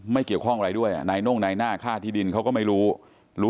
ไม่เกี่ยวข้องอะไรด้วยนายน่งนายหน้าค่าที่ดินเขาก็ไม่รู้รู้